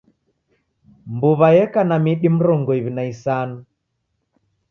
Mbuw'a yeka na midi mrongo iw'i na isanu.